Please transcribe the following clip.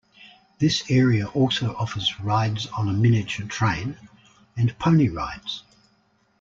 This area also offers rides on a miniature train and pony rides.